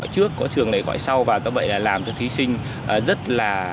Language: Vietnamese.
trước có thường lệ gọi sau và có vậy là làm cho thí sinh rất là